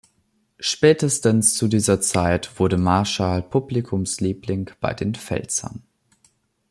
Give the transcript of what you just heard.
Spätestens zu dieser Zeit wurde Marschall Publikumsliebling bei den Pfälzern.